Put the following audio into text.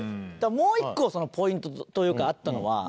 もう１個ポイントというかあったのは。